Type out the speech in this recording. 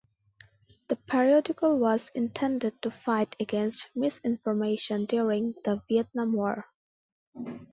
The periodical was intended to fight against misinformation during the Vietnam War.